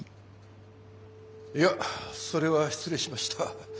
いやそれは失礼しました。